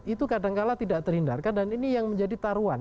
itu kadangkala tidak terhindarkan dan ini yang menjadi taruhan